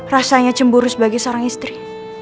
rasanya cemburu sebagai seorang istri